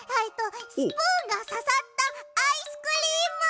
スプーンがささったアイスクリーム。